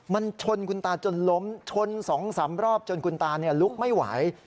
มันชนคุณตาจนล้มชน๒๓รอบจนคุณตาลุกไม่ไหว